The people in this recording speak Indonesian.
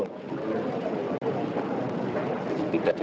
berita terkini mengenai cuaca ekstrem dua ribu dua puluh satu di indonesia